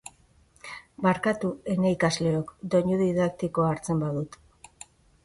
Barkatu, ene ikasleok, doinu didaktikoa hartzen badut.